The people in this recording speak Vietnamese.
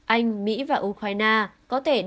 anh mỹ và ukraine có thể đứng ngay